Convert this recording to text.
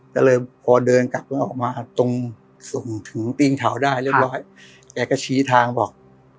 ก็เลยพอเดินกลับรถออกมาตรงส่งถึงตีนเขาได้เรียบร้อยแกก็ชี้ทางบอก